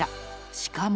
［しかも］